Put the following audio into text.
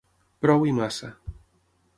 Prou i massa.